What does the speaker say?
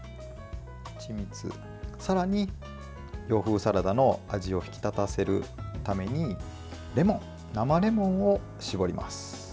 さらに洋風サラダの味を引き立たせるために生レモンを搾ります。